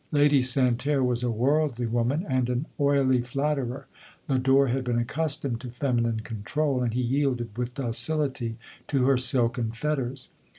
Lady Santerre was a worldly woman and an oily flatterer ; Lodore had been accustomed to feminine controul, and he yielded with docility to her silken fetters.